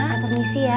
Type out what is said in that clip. saya permisi ya